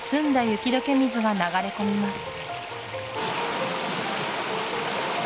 雪解け水が流れ込みます